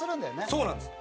そうなんです。